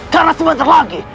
karena sebentar lagi